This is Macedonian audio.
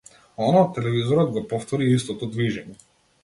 Оној од телевизорот го повтори истото движење.